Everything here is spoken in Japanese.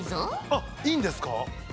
あっいいんですか？